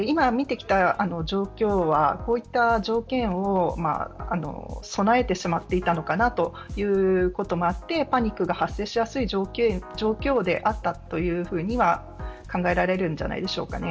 なので、今見てきた状況はこういった条件を備えてしまっていたのかなということもあってパニックが発生しやすい状況であったというふうには考えられるんじゃないでしょうか。